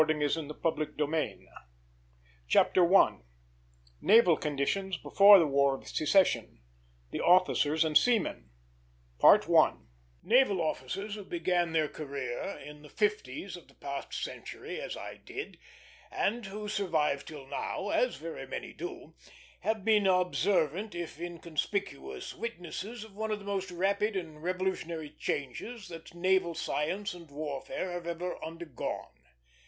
FROM SAIL TO STEAM RECOLLECTIONS OF NAVAL LIFE I NAVAL CONDITIONS BEFORE THE WAR OF SECESSION THE OFFICERS AND SEAMEN Naval officers who began their career in the fifties of the past century, as I did, and who survive till now, as very many do, have been observant, if inconspicuous, witnesses of one of the most rapid and revolutionary changes that naval science and warfare have ever undergone.